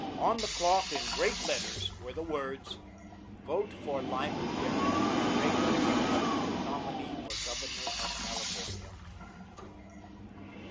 On the cloth, in great letters, were the words: "Vote for Lyman Derrick, Regular Republican Nominee for Governor of California."